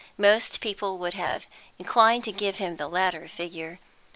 Most people would have inclined to give him the latter figure.